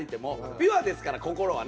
ピュアですから心はね。